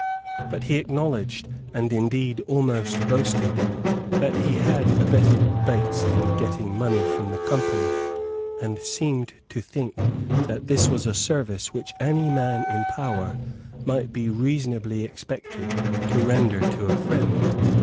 But he acknowledged, and indeed almost boasted, that he had abetted Bates in getting money from the Company, and seemed to think that this was a service which any man in power might be reasonably expected to render to a friend.